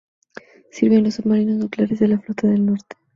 Sirvió en los submarinos nucleares de la flota del Norte.